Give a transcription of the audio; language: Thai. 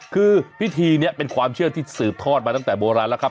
คือพิธีนี้เป็นความเชื่อที่สืบทอดมาตั้งแต่โบราณแล้วครับ